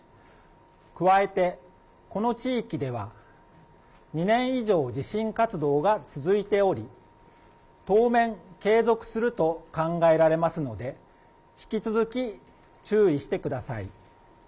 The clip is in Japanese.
加えてこの地域では２年以上、地震活動が続いており当面継続すると考えられますので引き続き注意してください。